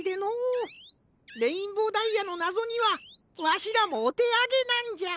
レインボーダイヤのなぞにはわしらもおてあげなんじゃ。